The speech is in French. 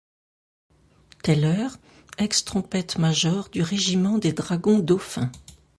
Teller, ex-trompette-major du régiment des dragons Dauphin.